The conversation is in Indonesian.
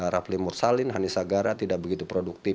rafli mursalim hanis agara tidak begitu produktif